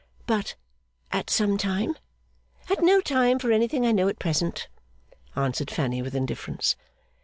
'But at some time?' 'At no time, for anything I know at present,' answered Fanny, with indifference.